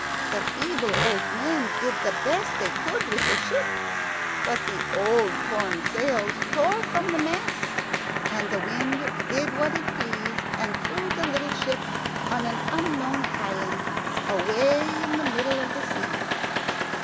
The feeble old men did the best they could with the ship; but the old, torn sails tore from the masts, and the wind did what it pleased, and threw the little ship on an unknown island away in the middle of the sea.